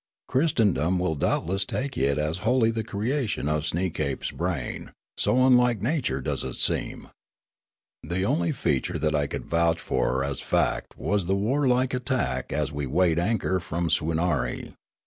Christ endom will doubtless take it as wholly the creation of Sneekape's brain, so unlike nature does it seem. The only feature that I could vouch for as fact was the war like attack as we weighed anchor from Swoonarie.